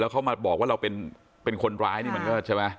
เขามาบอกว่าเราเป็นคนร้ายนี่มันก็ใช่ไหม